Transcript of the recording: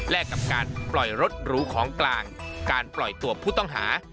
และกับการปล่อยรถหรูของกลางการปล่อยตัวผู้ต้องหา